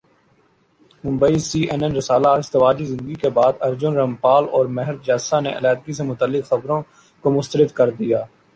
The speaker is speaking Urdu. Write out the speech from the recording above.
ممبئی سی این این سالہ ازدواجی زندگی کے بعد ارجن رامپال اور مہر جسیہ نے علیحدگی سے متعلق خبروں کع مسترد کردیا ہے